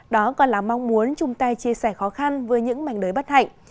đó còn là mong muốn chúng ta chia sẻ khó khăn với những mảnh đới bất hạnh